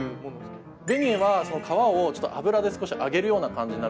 ベニエは皮を油で少し揚げるような感じになるんですけど。